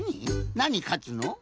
なにかつの？